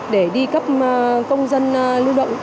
để đi cấp công dân lưu động